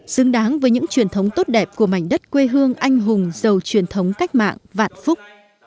xứng đáng với những truyền thống tốt đẹp của mảnh đất quê hương anh hùng giàu truyền thống cách mạng vạn phúc